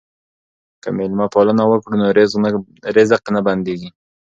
که مېلمه پالنه وکړو نو رزق نه بندیږي.